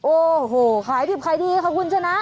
โอ้โหขายดีคุณชนะ